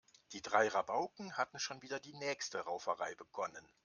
Die drei Rabauken hatten schon wieder die nächste Rauferei begonnen.